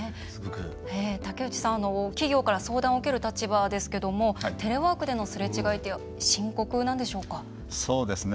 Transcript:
竹内さん、企業から相談を受ける立場ですけれどもテレワークでのすれ違いって深刻なんでしょうか？